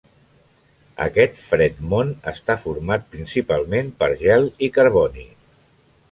Aquest fred món està format principalment per gel i carboni.